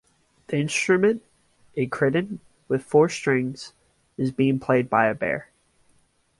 The instrument, a cittern with four strings, is being played by a bear.